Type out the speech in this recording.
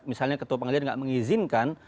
misalnya ketua pengadilan tidak mengizinkan